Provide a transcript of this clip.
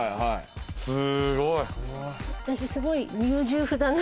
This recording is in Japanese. すごい！